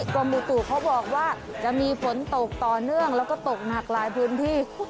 กรมบุตุเขาบอกว่าจะมีฝนตกต่อเนื่องแล้วก็ตกหนักหลายพื้นที่